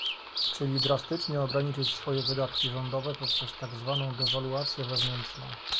Czyli drastycznie ograniczyć swoje wydatki rządowe poprzez tak zwaną dewaluację wewnętrzną